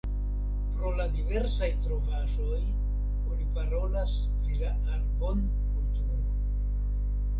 Pro la diversaj trovaĵoj oni parolas pri la Arbon-kulturo.